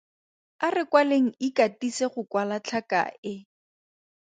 A re kwaleng Ikatise go kwala tlhaka e.